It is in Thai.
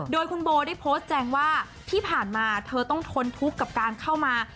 โดยคุณโบได้โพสต์แจ้งว่าที่ผ่านมาเธอต้องทนทุกข์กับการเข้ามา